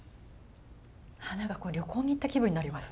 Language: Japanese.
何か旅行に行った気分になります。